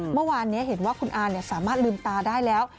เมื่อวานนี้เห็นว่าคุณอาสามารถลืมตาได้แล้ว